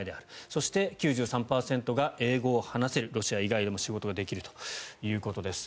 そして、９３％が英語を話せるロシア以外でも仕事ができるということです。